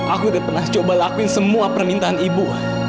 aku udah pernah coba lakuin semua permintaan ibu